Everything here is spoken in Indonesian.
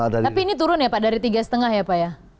tapi ini turun ya pak dari tiga lima ya pak ya